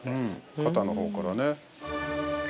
◆肩のほうからね。